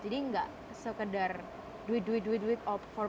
jadi tidak sekadar berbuat untuk keuntungan